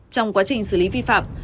trong quá trình xử lý vi phạm